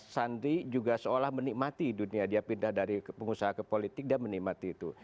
sandi juga seolah menikmati dunia dia pindah dari pengusaha ke politik dia menikmati itu